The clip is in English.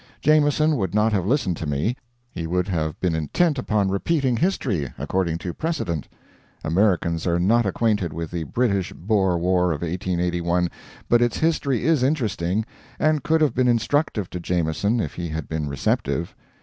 Jameson would not have listened to me he would have been intent upon repeating history, according to precedent. Americans are not acquainted with the British Boer war of 1881; but its history is interesting, and could have been instructive to Jameson if he had been receptive.